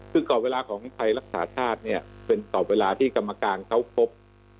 คือกรอบเวลาของไทยรักษาชาติเนี่ยเป็นกรอบเวลาที่กรรมการเขาพบ